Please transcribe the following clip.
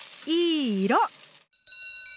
いい色！